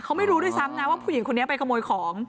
เขาไม่รู้ด้วยซ้ำนะว่าผู้หญิงคนนี้ไปขโมยของ